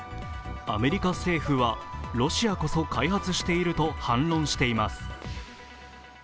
アメリカ政府はロシアこそ開発していると反論しています。